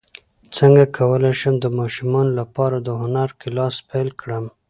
څنګه کولی شم د ماشومانو لپاره د هنر کلاس پیل کړم